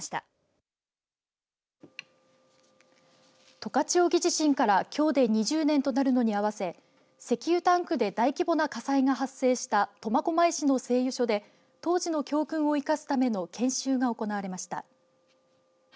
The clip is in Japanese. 十勝沖地震からきょうで２０年となるのに合わせ石油タンクで大規模な火災が発生した苫小牧市の製油所で当時の教訓を生かすための研修が行われました。